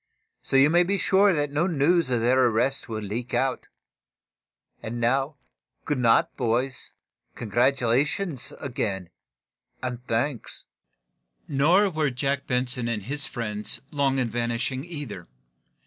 So you may be sure that no news of their arrest will leak out. And now, good night, boys. Congratulations, again, and thanks!" Nor were Jack Benson and his friends long in vanishing, either.